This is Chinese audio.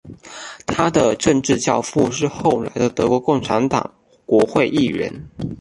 他的政治教父是后来的德国共产党国会议员。